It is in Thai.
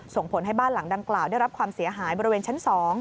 ส่งผลให้บ้านหลังดังกล่าวได้รับความเสียหายบริเวณชั้น๒